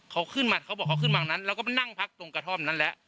เขาบอกเขาขึ้นมาข้างนั้นแล้วก็นั่งพักตรงกระท่อมนั้นแล้ว